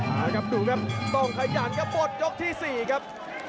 อ่าครับดูครับต้องทะยานครับบดยกที่สี่ครับ